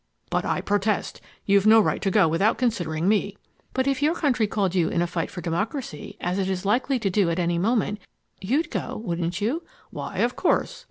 "But I protest. You've no right to go without considering me." "But if your country called you in a fight for democracy, as it is likely to do at any moment, you'd go, wouldn't you?" "Why, of course."